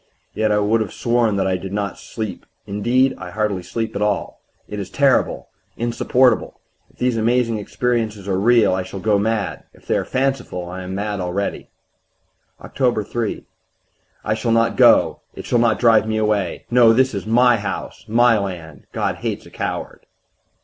Yet I would have sworn that I did not sleep indeed, I hardly sleep at all. It is terrible, insupportable! If these amazing experiences are real I shall go mad; if they are fanciful I am mad already. "Oct. 3. I shall not go it shall not drive me away. No, this is my house, my land. God hates a coward....